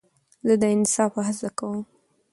زه د انصاف هڅه کوم.